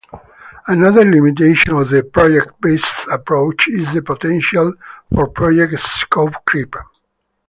Another limitation of the project-based approach is the potential for project scope creep.